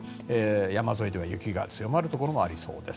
山沿いでは雪が強まるところもありそうです。